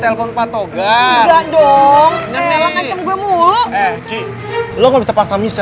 tuh tarik tarik lagi